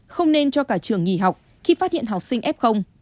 không nên cho cả trường nghỉ học khi phát hiện học sinh f